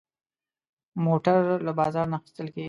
موټر له بازار نه اخېستل کېږي.